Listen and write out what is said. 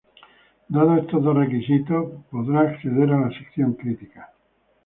Dados estos dos requisitos, i podrá acceder a la sección crítica.